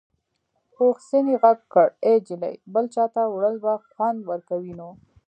پوخ سنې غږ کړ ای جلۍ بل چاته وړل به خوند ورکوي نو.